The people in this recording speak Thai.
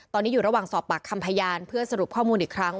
ตอนนี้อยู่ระหว่างสอบปากคำพยานเพื่อสรุปข้อมูลอีกครั้ง